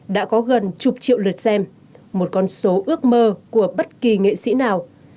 đã có gần chục triệu lượt xem một con số ước mơ của bất kỳ nghệ sĩ nào